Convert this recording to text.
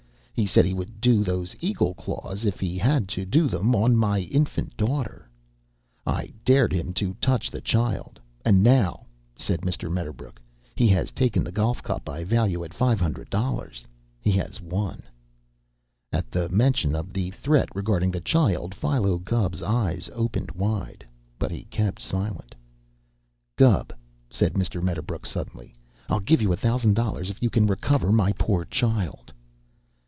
He said he would do those eagle claws if he had to do them on my infant daughter. I dared him to touch the child. And now," said Mr. Medderbrook, "he has taken the golf cup I value at five hundred dollars. He has won." At the mention of the threat regarding the child, Philo Gubb's eyes opened wide, but he kept silence. "Gubb," said Mr. Medderbrook suddenly, "I'll give you a thousand dollars if you can recover my poor child."